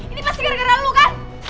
ini pasti gara gara lu kan